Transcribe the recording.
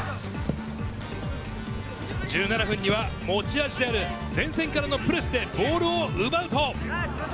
１７分には持ち味である前線からのプレスでボールを奪うと。